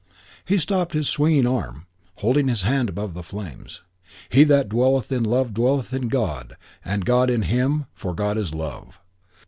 He stopped his swinging arm, holding his hand above the flames. "He that dwelleth in love dwelleth in God and God in him; for God is love."